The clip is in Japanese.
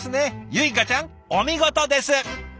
ゆいかちゃんお見事です！